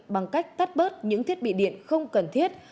bằng cách tắt bớt những thiết bị điện không cần thiết